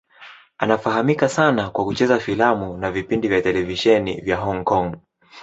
Anafahamika sana kwa kucheza filamu na vipindi vya televisheni vya Hong Kong.